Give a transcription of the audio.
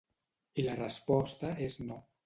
I la resposta és no.